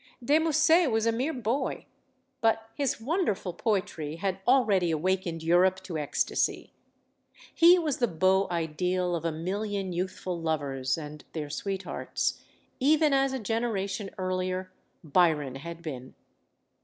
De Musset was a mere boy. But his wonderful poetry had already awakened Europe to ecstacy. He was the beau ideal of a million youthful lovers and their sweethearts; even as, a generation earlier, Byron had been.